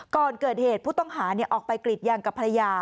ก่อนเกิดเหตุผู้ต้องหาออกไปกรีดยางกับภรรยา